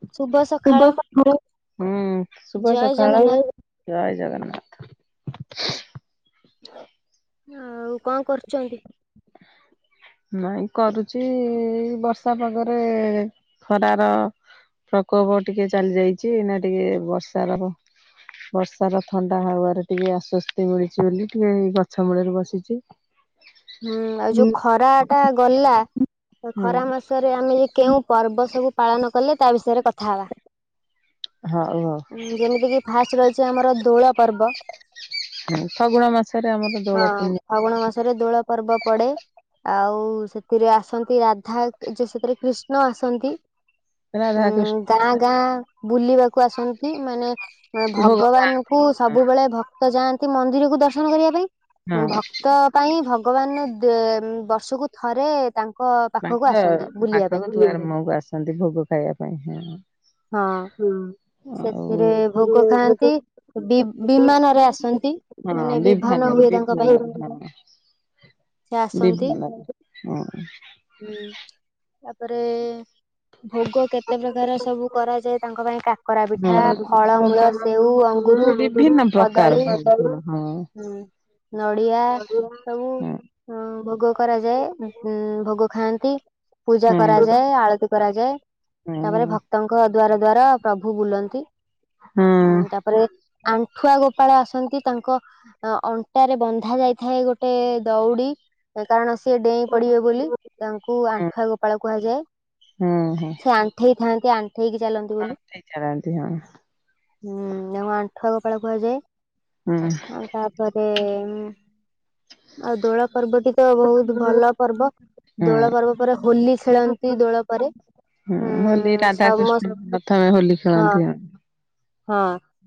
ଶୁଭ ସକାଳ ହୁଁ ଶୁଭ ସକାଳ ଜୟ ଜଗନ୍ନାଥ। ଆଉ କଣ କରୁଛନ୍ତି? ନାଇଁ କରୁଛି ବର୍ଷା ପାଗରେ ଖରାର ପ୍ରକୋପ ଟିକେ ଚାଲି ଯାଇଛି ନା ଟିକେ ବର୍ଷାଦେଵ। ବର୍ଷାର ଥଣ୍ଡା ହବାରେ ଟିକେ ଆଶ୍ଵସ୍ତି ମିଳିଛି ବୋଲି ଟିକେ ଗଛ ମୂଳରେ ବସିଛି। ହୁଁ ଆଉ ଯୋଉ ଖରା ଟା ଗଲା ତ ଖରା ମାସ ସତରେ ଆମେ ଯେ କେଉଁ ପର୍ବ ସବୁ ପାଳନ କଲେ ତା ବିଷୟରେ କଥା ହେବା। ହଉ ଆଉ। ଉଁ ଯେମିତିକି ଫାଷ୍ଟ ରହିଛି ଆମର ଦୋଳ ପର୍ବ। ହ ଫଗୁଣ ମାସରେ ଆମର ଦୋଳ ପୂର୍ଣ୍ଣିମା। ଫାଗୁଣ ମାସରେ ଦୋଳ ପର୍ବ ପଡେ। ଆଉ ସେଥିରେ ଆସନ୍ତି ରାଧା ଯେ ସେଥିରେ କ୍ରୀଷ୍ଣା ଆସନ୍ତି। ହୁଁ ଗାଁ ଗାଁ ବୁଲିବାକୁ ଆସନ୍ତି ମାନେ ଭଗବାନ କୁ ସବୁବେଳେ ଭକ୍ତ ଯାଆନ୍ତି ମନ୍ଦିରକୁ ଦର୍ଶନ କରିବା ପାଇଁ ଭକ୍ତ ପାଇଁ ଭ ଭଗବାନ ବର୍ଷକୁ ଥରେ ତାଙ୍କ ପାଖ ପାଖକୁୁ ଦୁଆର ମୁହଁକୁ ଆସନ୍ତି ଭୋଗ ଖାଇବା ପାଇଁଁ। [unintelligible] ହଁ ବିଧାନ ବିଧାନ ହିଁ। ବିଧାନ ହଁ। ହୁଁ ତାପରେ ଭୋଗ କେତେ ପ୍ରକାର ସବୁ କରାଯାଏ ତାଙ୍କ ପାଇଁ କାକରା ପିଠା ଫଳମୂଳ ସେଉ ଅଙ୍ଗୁର କଦଳୀ ହୁଁ ନଡ଼ିଆ ସବୁ ହଁ ଭୋଗ କରାଯାଏ ହୁଁ ଭୋଗ ଖାଆନ୍ତି। ପୂଜା କରାଯାଏ ଆଳତି କରାଯାଏ ତାପରେ ଭକ୍ତଙ୍କ ଦ୍ଵାର ଦ୍ଵାର ପ୍ରଭୁ ବୁଲନ୍ତି ତାପ ପରେ ଆଣ୍ଠୁଆ ଗୋପାଳ ଆସନ୍ତି ତାଙ୍କ ଅଣ୍ଟାରେ ବନ୍ଧା ଯାଇଥାଏ ଗୋଟେ ଟେ ଦଉଡ଼ି କାରଣ ସିଏ ଡେଇଁ ପଡିବେ ବୋଲି ତାଙ୍କୁ ଆଣ୍ଠୁଆ ଗୋପାଳ କୁହାଯାଏ। ହୁଁ ହୁଁ। ହେଇ ଥାନ୍ତି ଆଣ୍ଠେଇକି ଚାଲ ଆଣ୍ଠେଇ ଚାଲନ୍ତ ହଁ। ହୁଁ ଆଉ ଆଣ୍ଠୁଆ ଗୋପାଳ କୁହାଯାଏ। ହୁଁ। ଆଉ ତାପରେ ଆଉ ଦୋଳ ପର୍ବଟି ତବହୁତ୍ ଭଲ ପର୍ବ ଦୋଳ ପର୍ବ ପରେ ହୋଲି ଖେଳନ୍ତି ଦୋଳ ପରେ। ହଁ ହୋଲି ରାଧାକୃଷ୍ଣ ପ୍ରଥମେ ହୋଲି ଖେଳନ୍ତି ହଁ। ହଁ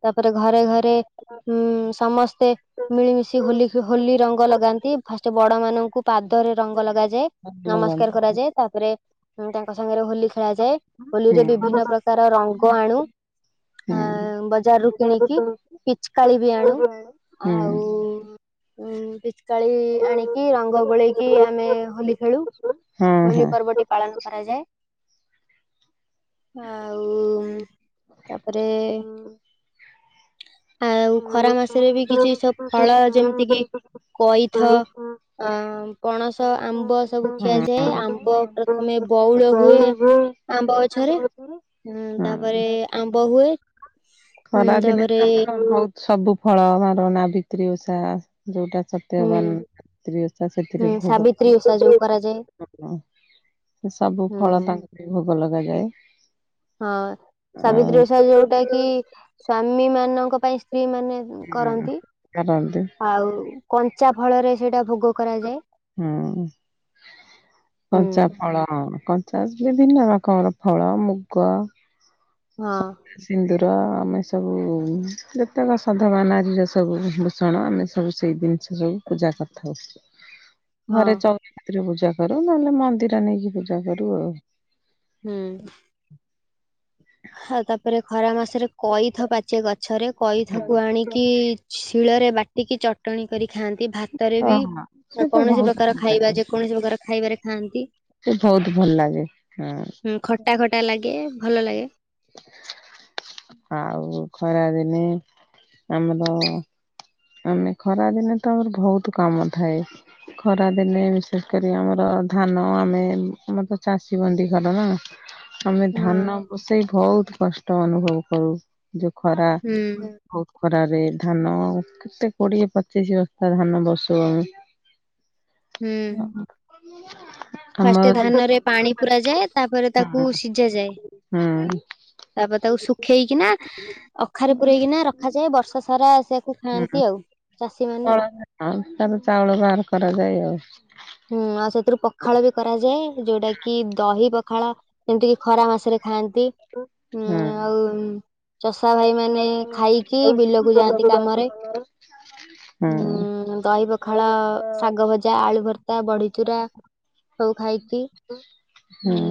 ତାପରେ ଘରେ ଘର ରେ ଉଁ ସମସ୍ତେ ମିଳିମିଶି ହୋଲି ଖ- ହୋଲି ରଂ ରଙ୍ଗ ଲଗାନ୍ତି ଫାଷ୍ଟ ବଡ଼ ମାନଙ୍କୁ ପାଦରେ ରଙ୍ଗ ଲଗାଯାଏ ନମସ୍କାର କରାଯାଏ ତାପରେ ହଁ ତାଙ୍କ ସାଙ୍ଗରେ ହୋଲି ଖେଳାଯାଏ। ହୋଲିରେ ବିଭିନ୍ନ ପ୍ରକାର ରଙ୍ଗ ଆଣୁ ଆ ବଜାରରୁ କିଣିକି ପିଚିକାଳିବି ଆଣୁ ଆଉ ଉଁ ବି କାଳି ଆଣିକି ରଙ୍ଗ ଗୋଳେଇକି ଆମେ ହୋଲି ଖେଳୁ ହୋଲି ପର୍ବଟି ପାଳନ କରାଯାଏ ଆଉ ତାପରେ [unintelligible] ଅଁ ପଣସ, ଆମ୍ବ ସବୁ ଖିଆଯାଏ ଆମ୍ବ ପ୍ରଥମେ ବଉଳ ହୁଏ। ଆମ୍ବ ଗଛରେ ହୁଁ ତାପରେ ଆମ୍ବ ହୁଏ। ଖରା ଦିନେ ତ ଆମର ବୋହୁତ ସବୁ ଫଳ ଭାରିବ ନା ଭିତ୍ରି ଓଷା ଯୋଉଟା ସ [unintelligible] ସେଥିରେ ଭୋଗ ଲାଗେ। [unintelligible] ସେ ସବୁ ଫଳ ତାଙ୍କ କତିରେ ବି ଭୋଗ ଲଗାଯାଏ। ହଁ ସାବିତ୍ରୀ ଓଷା ଯୋଉଟା କି ସ୍ଵାମୀ ମାନଙ୍କ ପାଇଁ ସ୍ତ୍ରୀ ମାନେ କରନ୍ତି ଆଉ କଞ୍ଚା ଫଳରେ ସେଇଟା ଭୋଗ କରାଯାଏ। ହୁଁ କଞ୍ଚା ଫଳ କନ ଚାଷ ବିଭିନ୍ନ ରକମର ଫଳ, ମୁଗ ହଁ। ସିନ୍ଦୁର ଆମେ ସବୁ, ଯେତେକ ସଧବା ନାରୀର ସବୁ ଭୂଷଣ ଆମେ ସବୁ ସବୁ ସେଇ ଜିନ୍ସ ସବୁ ପୂଜା କରିଥାଉ। ଘରେ ଚୋଉଁରା କତିରେ ପୂଜା କରୁ। ନହେଲେ ମନ୍ଦିର ନେଇକି ପୂଜା କରୁ ଆଉ। ହୁଁ। ଆଉ ତାପରେ ଖରା ମାସରେ କଇଥ ପାଚେ ଗଛରେ, କଇଥ କୁ ଆଣିକି ଶିଳରେ ବାଟିକି ଚ ଟଣି, କରି ଖାଆନ୍ତି। ଭାତରେ ବି, କୌଣସି ପ୍ରକାର ଖାଇବା ଯେ କୌଣସି ପ୍ରକାର ଖାଇବାରେ ଖାଆନ୍ତି। ସେ ବୋହୁତ୍ ଭଲ ଲାଗେ। ହଁ। ହୁଁ ଖଟା ଖଟା ଲାଗେ। ଭଲ ଲାଗେ। ଆଉ ଖରା ଦିନେ, ଆମର ଆମେ ଖରାଦିନେ ତ ଆମର ବୋହୁତ୍ କାମ ଥାଏ ଖରାଦିନେ ବିଶେଷ କରି ଆମର ଧାନ, ଆମେ ଆମର ତ ଚାଷୀ ବନ୍ଧି ଘର ନା। ହ ଆମେ ଧାନ ବସେଇ ବୋହୁତ୍ କଷ୍ଟ ଅନୁଭବ କରୁ। ଯୋଉ ଖରା ବୋହୁତ୍ ଖରାରେ ଧାନ କେତେ କୋଡିଏ ପଚିଶି ବସ୍ତା ଧାନ ବସଉ ଆମେ। ଓହୋ। ଫାଷ୍ଟ ଧାନରେ ପାଣି ପୁର ଯାଏ, ତାପରେ ତାକୁ ସିଝା ଯାଏ। ତାପରେ ତାକୁ ଶୁଖେଇକିନା, ଅଖାରେ ପୂରେଇକିନା ରଖାଯାଏ। ବର୍ଷ ସାରା ସେୟାକୁ ହୁଁ। ହଁ ତାର ଚାଉଳ ବାହାର କରାଯାଏ ଆଉ। ହୁଁ ଆଉ ସେଥିରୁ ପଖାଳ ବି କରାଯାଏ, ଯୋଉଟା କି ଦହି ପଖାଳ। ଯେମିତି କିି ଖରା ମାସରେ ଖାଆନ୍ତି। ଉଁ ଆଉ ଚଷା ଭାଇ ମାନେ ଖାଇକି ବିଲକୁ ଯାଆନ୍ତି କାମରେ। ହ ହୁଁ ଦହି ପଖାଳ, ଶାଗ ଭଜା, ଆଳୁ ଭର୍ତ୍ତା, ବଢିଚୁରା ସବୁ ଖାଇକି, ହୁଁ।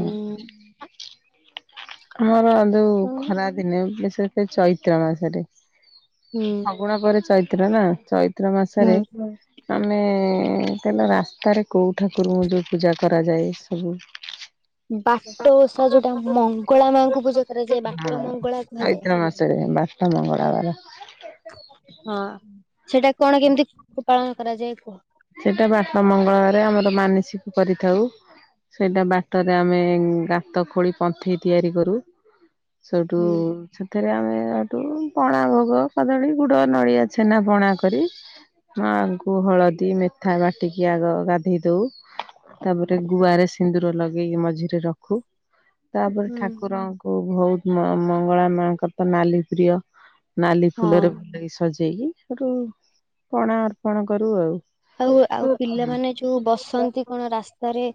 ଆମର ଯୋଉ ଖରା ଦିନେ, ବିଶେଷ ଚୈତ୍ର ମାସରେ ଫଗୁଣ ପରେ, ଚୈତ୍ର ନା ଚୈତ୍ର ମାସରେ ଆମେ ସେଦିନ ରାସ୍ତାରେ କୋଉ ଠାକୁର ଙ୍କୁ ଯୋଉ ପୂଜା କରାଯାଏ ସବୁ। ହଁ ଚୈତ୍ର ମାସରେ ବା ହେ ମଙ୍ଗଳବାର ହଁ ସେଟା କଣ କେମିତି ପାଳନ କରାଯାଏ କୁହ? ସେଇଟା ବାଟ ମଙ୍ଗଳ ବାରେ ଆମର ମାନସିକ କରିଥାଉ। ସେଇଟା ବାଟରେ ଆମେ ଗାତ ଖୋଳି ପନ୍ଥେଇ ତିଆରି କରୁ। ସେଉଠୁ ଏଥରେ ଆମେ ଏଠୁ ପଣା ଭୋଗ, କଦଳୀ, ଗୁଡ, ନଡିଆ, ଛେନା, ପଣା କରି ମାଙ୍କୁ ହଳଦୀ ମେଥା ବାଟିକି ଆଗ ଗାଧେଇ ଦୋଉ। ତାପରେ ଗୁଆରେ ସିନ୍ଦୁର ଲଗେଇକି ମଝିରେ ରଖୁ। ତାପରେ ଠାକୁରଙ୍କୁ ବୋହୁତ୍ ମଙ୍ଗଳା ମାଙ୍କର ତ ନାଲି ପ୍ରିୟ ନାଲି ଫୁଲରେ ଭଲେଇଗୀ ସଜେଇକି ହେଠୁ ପଣା ଅର୍ପଣ କରୁ ଆଉ। ଆଉ, ଆଉ ପିଲାମାନେ ଯୋଉ ବସନ୍ତି କଣ ରାସ୍ତାରେ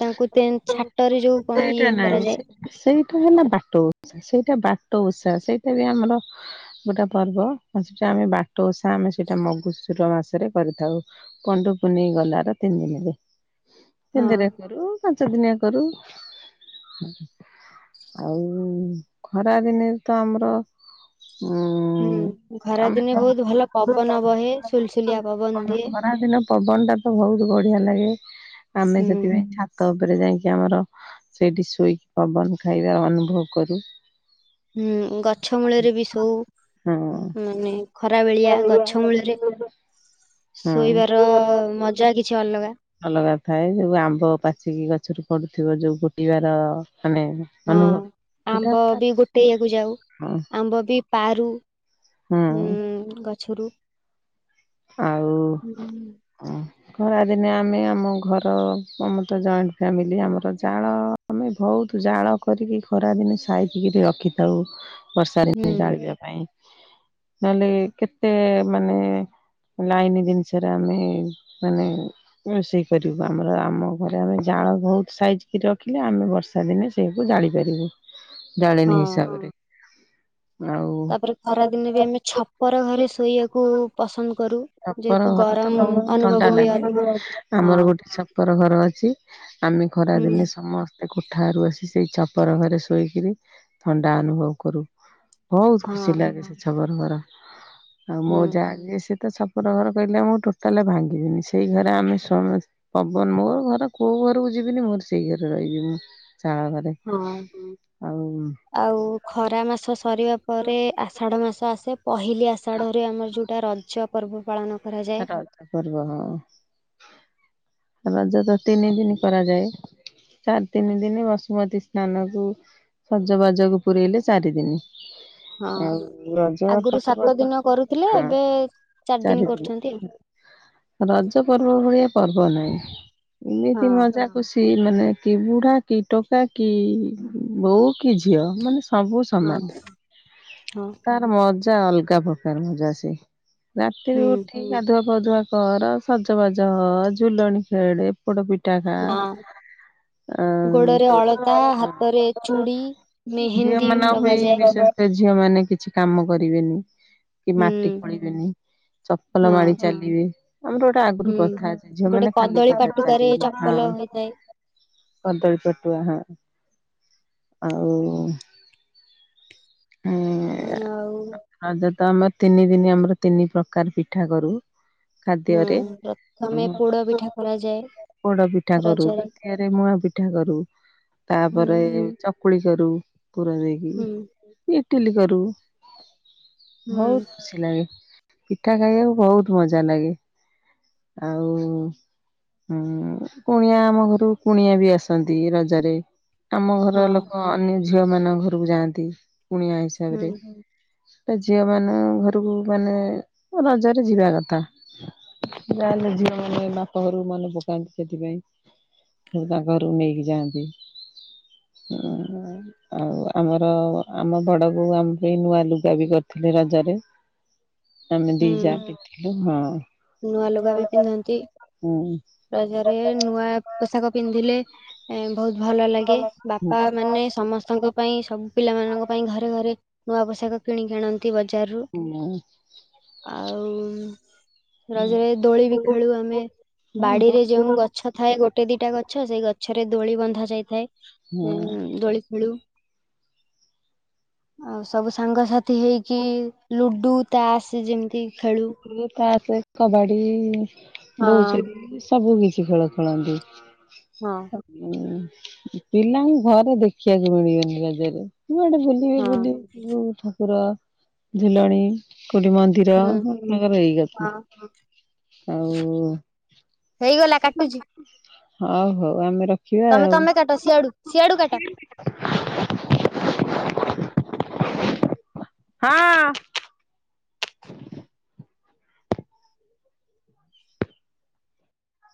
ତାଙ୍କୁ ନ୍ତେ-ଛାଟରେ ଯୋଉ କଣ ଇଏ କରାଯାଏ? ସେଇଟା ହେଲା ବାଟ ଓଷା। ସେଇଟା ବାଟ ଉଷା ସେଇଟା ବି ଆମର ଗୋଟେ ପର୍ବ, ସେଟା ଆମେ ବାଟ ଓଷା। ଆମେ ସେଇଟା ମଘୁସୁର ମାସରେ କରିଥାଉ। ପଣ୍ଡୁ ପୁନେଇେ ଗଲାର ତିନି ଦିନିରେ, ତିନ୍ ଦିନରେ କରୁ। ପାଞ୍ଚ ଦିନିଆ କରୁ। ଆଉ ଖରା ଦିନେ ତ ଆମର ହୁଁ। ହୁଁ ଖରା ଦିନେ ବହୁତ୍ ଭଲ ପବନ ବହେ ସୁଲ୍ ସୁଲିଆ ପବନ ଦିଏ। ଖରା ଦିନ ପବନ ଟା ତ ଭୋଉତ୍ ବଢିଆ ଲାଗେ ଆମେ ସେଥିପାଇଁ ଛାତ ତ ଉପରେ ଯାଇକି ଆମର ସେଇଠି ଶୋଇକି ପବନ ଖାଇବା ଅନୁଭବ କରୁ। ହୁଁ ଗଛ ମୂଳରେ ବି ସୋଉ ମାନେ ଖରାବେଳିଆ ଗଛ ମୂଳରେ ଶୋଇବାର ମଜା କିଛି ଅଲଗା। ଅଲଗା ଥାଏ ଯୋଉ ଆମ୍ବ ପାଚିକି ଗଛରୁ ପଡୁଥିବ ଯୋଉ ଗୋଟିବାର ଆମେ ହଁ ଆମ୍ବ ବି ଗୋଟେଇଆକୁ ଯାଉ ଆମ୍ବ ବି ପାରୁ। ହୁଁ ଗଛୁରୁୁ ହୁଁ। ଉୁଁ ଖରାଦିନେ ଆମେ ଆମ ଘର ଆମର ତ ଜଏଣ୍ଟ ଫ୍ୟାମିଲି ଆମର ଜାଳ ଆମେ ବଉତ୍ ଜାଳ କରିକି ଖରା ଦିନେ ସାଇତିକିରୀ ରଖିଥାଉ। ବର୍ଷା ଦିନେ ଜାଳିବା ପାଇଁ ନହେଲେ କେତେ ମାନେ ଲାଇନ୍ ଜିନିଷରେ ଆମେ ମାନେ ରୋଷେଇ କରିବୁ ଆମର ଆମ ଘରେ ଆମେ ଜାଳ ବହୁତ୍ ସାଇଜ୍ କି ରଖିଲେ ଆମେ ବର୍ଷ ର୍ଷା ଦିନେ ସେଇଆକୁ ଜାଳିପାରିବୁ ଜାଳେନି ହିସାବରେ। ତାପ୍ ରେ ଖରାଦିନେ ବି ଆମେ ଛପର ଘରେ ଶୋଇଆକୁ ପସନ୍ଦ କରୁ। ଆପଣଙ୍କ ଘର ତ ବହୁତ ଥଣ୍ଡା ଲାଗେ ଆମର ଛପ ପର ଘର ଅଛି ଆମେ ଖରାଦିନେ ସମସ୍ ଗୋଟେ କୋଠାରୁ ଆସି ସେଇ ଛପର ଘରେ ଶୋଇକିରି ଥଣ୍ଡା ଅନୁଭବ କରୁ। ଭୋଉତ୍ ଖୁସି ଲାଗେ ସେ ଛପର ଘର ଆଉ ମୋ ଜା ଯିଏ ସେତ ଛପ ଛପର ଘର କଇଲେ ମୁଁ ଟୋଟାଲେ ଭାଙ୍ଗିବିନି ସେଇ ଘରେ ଆମେ ସମସ୍ ପବନ୍ ମୋର ଘର କୋଉ ଘରକୁ ଯିବିନି ମୋର ସେଇ ଘରେ ରହିିବି ମୁଁ ଚାଳ ଘରେ ହଁ। ଆଉ ଖରା ମାସ ସରିବା ପରେ ଆଷାଢ ମାସ ଆସେ ପହିଲି ଆଷାଢରେ ଆମର ଯୋଉଟା ରଜ ପର୍ବ ପାଳନ ରଜ ପର୍ବ ହଁ ରଜ ତ ତିନି ଦିନି କରାଯାଏ। ଚାରି ଦିନି ଦିନି ବସୁମତୀ ସ୍ନାନ କୁ ସଜବାଜକୁ ପୁରେଇଲେ ଚାରି ଦିନି। ଆଉ ରଜ ପର୍ବ ତ ହଁ ଚାରିଦିନି ହୁଁ ରଜ ପର୍ବ ଭଳିଆ ପର୍ବ ନାହିଁ ଇମିତି ମଜା ଖୁସି ମାନେ କି ବୁଢା କି ଟୋକା କି ବୋଉ କି ଝିଅ ମାନେ ସ ସବୁ ସମାନ୍ ତାର ମଜା ଅଲ୍ ଗା ପ୍ରକାର ମଜା ସେ। ରାତିରୁ ଉଠିକି ଗାଧୁଆ ଫାଧୁଆ କର ସଜବାଜ ହ ଝୁଲଣି ଖେଳେ ପୋଡ ପିଠା ଖା ଆ ଝିଅ ମାନଙ୍କ ପାଈଁ ବିଶେଷ ସେ ଝିଅ ମାନେ କିଛି କାମ କରିବେନି କି ମାଟି ଖୋଳିବେନି। ଚପଲ ମାଡି ଚାଲିବେ। ଆମର ଗୋଟେ ଆଗରୁ ପ୍ରଥା ଅଛି ଝିଅ ମାନ ଖାଲି ପାଦରେ ଚାଲିବେନି ହଁ। କଦଳୀ ପଟୁଆ ହଁ। ଆଉ ଏଁ ରଜ ତ ଆମର ତିନି ଦିନି ଆମର ତିନି ପ୍ରକ୍ କାର ପିଠା କରୁ ଖାଦ୍ୟରେ ଉଁ ପୋଡ ପିଠା କରୁ ଦୀତିଅରେ ମୁଁଆ ପିଠା କରୁ ତାପରେ ଚ କୁଳି କରୁ ପୁର ଦେଇକି ଇଟିଲି କରୁ। ଭୋଉତ୍ ଖୁସି ଲାଗେ। ପିଠା ଖାଇବାକୁ ବହୁତ୍ ମଜା ନାଗେ ଆଉ ହୁଁ କୁଣିଆ ଆମ ଘରୁକୁ କୁଣିଆ ବି ଆସନ୍ତି ରଜରେ। ଆମ ଘର ଲୋକ ଅନ୍ୟ ଝିଅ ମାନଙ୍କ ଘରୁକୁ ଯାଆନ୍ତି କୁଣିଆ ହିସାବରେ। ତ ଝିଅ ମାନଙ୍କ ଘରୁକୁ ମାନେ ରଜରେ ଯିବା କଥା। ଯାହେଲେ ଝିଅ ମାନେ ବାପ ଘରୁ ମନେ ପକାନ୍ତି ସେଥିପାଇଁ। ହ ତା ଘରକୁ ନେଇକି ଯାଆନ୍ତି ଆଉ ଆମର ଆମ ବଡ ବୋଉ ଆମ ପାଇଁ ନୂଆ ଲୁଗା ବି କରିଥିଲେ ରଜରେ ଆମେ ଦିଜା ପିଥିଲୁ ହଁ ନୂଆ ଲୁଗା ବି ପିନ୍ଧନ୍ତି ରଜରେ ନୂଆ ପୋଷାକ ପିନ୍ଧିଲେ ଏ ବହୁତ ଭଲ ଲାଗେ ବାପା ମାନେ ସମସ୍ତଙ୍କ ପାଇଁ ସବୁ ପିଲାମାନାନଙ୍କ ପାଇଁ ଘରେ ଘରେ ନୂଆ ପୋଷାକ କିଣିକି ଆଣନ୍ତି ନ୍ତି ବଜାରରୁୁ ଆଉ ରଜରେ ଦୋଳି ବି ଖେଳୁ ଆମେ ବାଡିରେ ଯେଉଁ ଗଛ ଥାଏ ଗୋଟେ ଦିଟା ଗଛ ସେଇ ଗଛରେ ଦୋଳି ବନ୍ଧା ଯାଇଥାଏ ଦୋଳି ଖେଳୁ। ନ୍ ଆଉ ସବୁ ସାଙ୍ଗସାଥି ହେଇକି ଲୁଡୁ ତାସ ଯେମିତି ଖେଳୁ। ତାସେ କବାଡି ବୋହୁଚରି ସବୁ କିଛି ଖେଳ ଖେଳନ୍ତି। ହଁ ପିଲାଙ୍କୁ ଘରେ ଦେଖିବାକୁ ମିଳିବନି ରଜରେ କୁଆଡେ ବୁଲ ବୁଲି ବୁଲି ଠାକୁର ଝୁଲଣି କୋଉଠି ମନ୍ଦିର [unintelligible] ଆଉ ହଉ ହଉ ଆମେ ରଖିବା ଆଉ। ହଁ